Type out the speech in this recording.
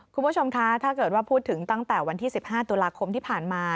คุณผู้ชมคะถ้าเกิดว่าพูดถึงตั้งแต่วันที่๑๕ตุลาคมที่ผ่านมา